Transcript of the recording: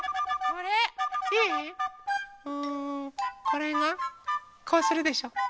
これがこうするでしょ。